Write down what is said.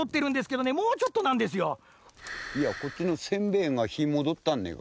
いやこっちのせんべいがひーもどったんねえか。